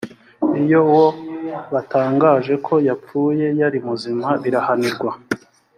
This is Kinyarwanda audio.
iyo uwo batangaje ko yapfuye yari muzima birahanirwa